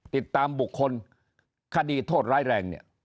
ติดตามบุคคลคดีโทษร้ายแรงเนี่ย